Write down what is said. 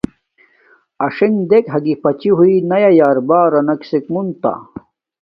اݽنݣ دنݣ ھاگی پاچی ہوی ناݵ بارانا ڈنݣ کیسک موتہ،